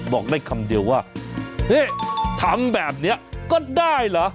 บอกได้คำเดียวว่าทำแบบนี้ก็ได้เหรอ